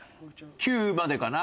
９までかな。